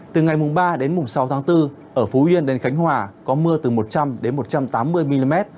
từ ngày mùng ba đến mùng sáu tháng bốn ở phú yên đến khánh hòa có mưa từ một trăm linh đến một trăm tám mươi mm